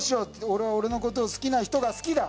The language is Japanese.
俺は俺の事を好きな人が好きだ」